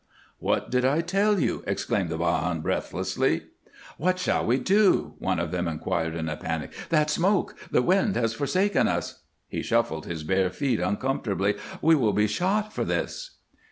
"What did I tell you?" exclaimed the 'Bajan, breathlessly. "What shall we do?" one of them inquired in a panic. "That smoke! The wind has forsaken us." He shuffled his bare feet uncomfortably. "We will be shot for this."